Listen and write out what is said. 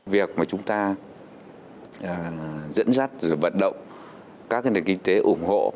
việc mà chúng ta dẫn dắt và bận động các nền kinh tế ủng hộ